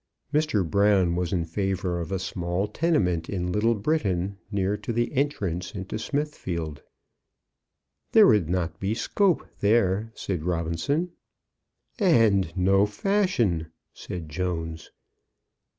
Mr. Brown was in favour of a small tenement in Little Britain, near to the entrance into Smithfield. "There would not be scope there," said Robinson. "And no fashion," said Jones.